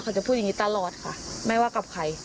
จะพูดอย่างนี้ตลอดค่ะไม่ว่ากับใคร